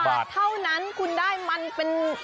บาทเท่านั้นคุณได้มันเป็น